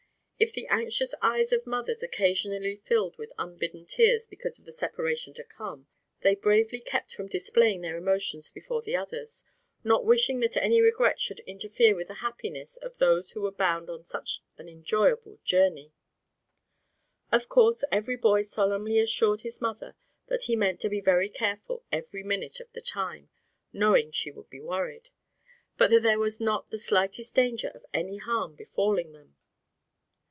If the anxious eyes of mothers occasionally filled with unbidden tears because of the separation to come, they bravely kept from displaying their emotions before the others, not wishing that any regrets should interfere with the happiness of those who were bound on such an enjoyable journey. Of course every boy solemnly assured his mother that he meant to be very careful every minute of the time, knowing she would be worried; but that there was not the slightest danger of any harm befalling them.